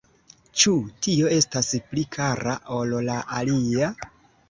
Ĉu tio estas pli kara ol la alia?